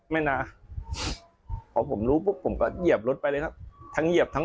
ไม่มีลมหายใจ